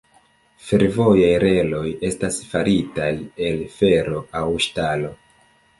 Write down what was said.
Fervojaj reloj estas faritaj el fero aŭ ŝtalo.